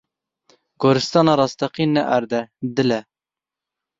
Goristana rasteqîn ne erd e, dil e.